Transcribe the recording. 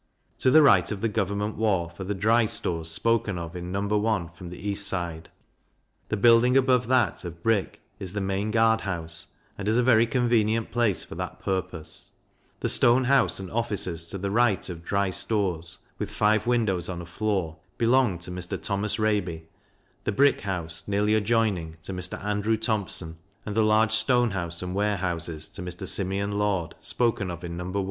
To the right of the Government wharf are the Dry Stores spoken of in No. I. from the east side. The building above that, of brick, is the Main Guard house, and is a very convenient place for that purpose. The Stone house, and offices, to the right of the Dry Stores, with five windows on a floor, belong to Mr. Thomas Reiby; the brick House, nearly adjoining, to Mr. Andrew Thompson; and the large Stone house and Warehouses, to Mr. Simeon Lord, spoken of in No. I.